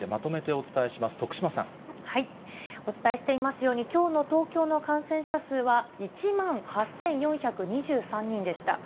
お伝えしていますように、きょうの東京の感染者数は、１万８４２３人でした。